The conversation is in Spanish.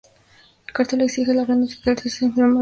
El cartel exige la renuncia del artista a firmar su personalidad.